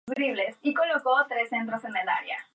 Laemmle expulsó a Nolan del set y posteriormente fue despedida.